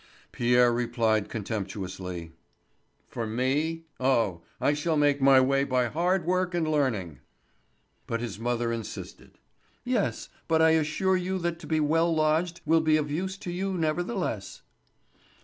Pierre replied contemptuously: "For me! Oh, I shall make my way by hard work and learning." But his mother insisted: "Yes, but I assure you that to be well lodged will be of use to you nevertheless."